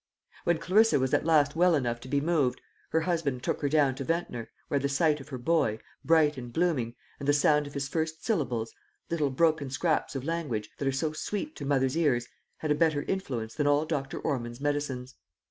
When Clarissa was at last well enough to be moved, her husband took her down to Ventnor, where the sight of her boy, bright and blooming, and the sound of his first syllables little broken scraps of language, that are so sweet to mothers' ears had a better influence than all Dr. Ormond's medicines.